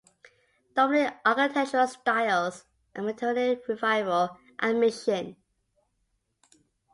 Dominant architectural styles are Mediterranean revival and mission.